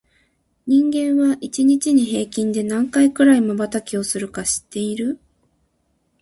人間は、一日に平均で何回くらいまばたきをするか知ってる？